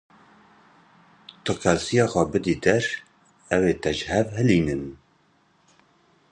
Tu qelsiya xwe bidî der, ew ê te ji hev hilînin.